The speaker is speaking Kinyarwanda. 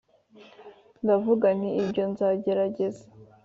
ndavuga nti: 'nibyo, nzagerageza.